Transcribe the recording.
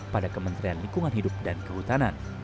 pada kementerian lingkungan hidup dan kehutanan